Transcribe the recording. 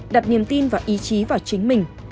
đặt niềm tin và ý chí vào chính mình